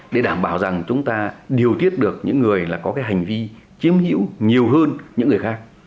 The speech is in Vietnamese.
để đảm bảo rằng chúng ta điều tiết được những người là có cái hành vi chiếm hữu nhiều hơn những người khác